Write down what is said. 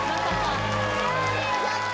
やった！